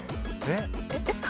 えっ？